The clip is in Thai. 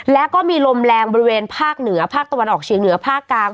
แล้วก็มีลมแรงบริเวณภาคเหนือภาคตะวันออกเชียงเหนือภาคกลาง